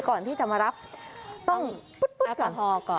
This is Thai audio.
ก่อนที่จะมารับต้องแอลกอฮอล์ก่อน